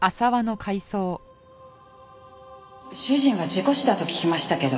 主人は事故死だと聞きましたけど。